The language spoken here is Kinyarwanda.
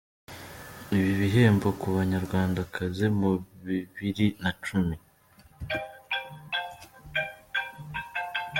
ibi bihembo ku Banyarwandakazi mu bibiri na cumi.